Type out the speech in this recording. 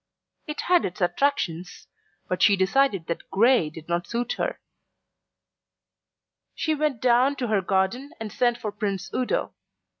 It had its attractions, but she decided that grey did not suit her. She went down to her garden and sent for Prince Udo.